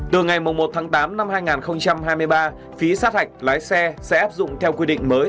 từ ngày một tháng tám năm hai nghìn hai mươi ba phí sát hạch lái xe sẽ áp dụng theo quy định mới